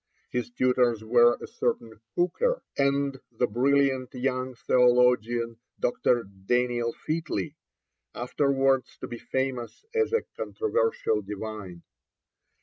His tutors were a certain Hooker, and the brilliant young theologian, Dr. Daniel Featley, afterwards to be famous as a controversial divine.